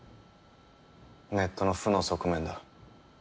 ネットの負の側面だ。